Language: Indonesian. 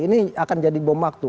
ini akan jadi bom waktu